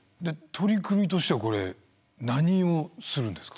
取り組みとしてはこれ何をするんですか？